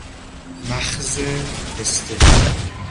مخز پسته